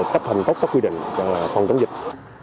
cách thành tốt các quy định phòng chống dịch